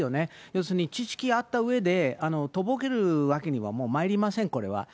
要するに知識あったうえで、とぼけるわけにはもうまいりません、これは。